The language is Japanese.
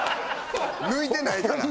抜いてないから。